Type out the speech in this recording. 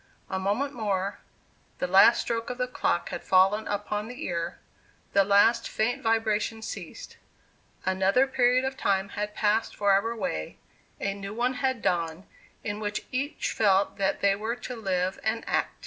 A moment more the last stroke of the clock had fallen upon the ear the last faint vibration ceased; another period of time had passed forever away a new one had dawned, in which each felt that they were to live and act.